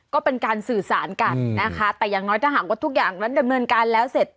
ก็เป็นการสื่อสารกันนะคะแต่อย่างน้อยถ้าหากว่าทุกอย่างนั้นดำเนินการแล้วเสร็จ